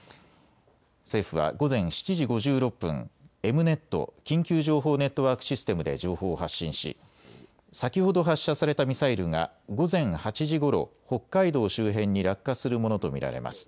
政府は午前７時５６分、エムネット・緊急情報ネットワークシステムで情報を発信し先ほど発射されたミサイルが午前８時ごろ、北海道周辺に落下するものと見られます。